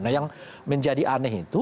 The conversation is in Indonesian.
nah yang menjadi aneh itu